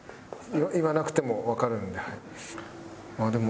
言わなくてもわかるんではい。